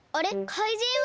かいじんは？